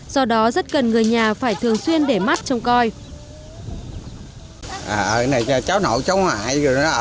do đó rất cần người nhà phải thường xuyên để mắt trong coi